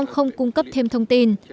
không cung cấp thêm thông tin